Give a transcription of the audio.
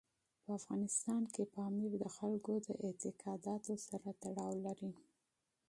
په افغانستان کې پامیر د خلکو د اعتقاداتو سره تړاو لري.